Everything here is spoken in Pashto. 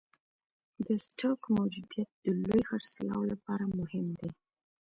د سټوک موجودیت د لوی خرڅلاو لپاره مهم دی.